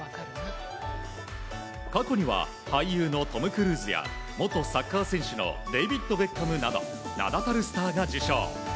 過去には俳優のトム・クルーズや元サッカー選手のデビッド・ベッカムなど名だたるスターが受賞。